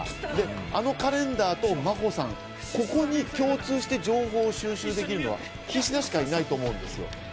あのカレンダーと真帆さん、ここに共通して情報を収集するのは菱田しかいないと思うんです。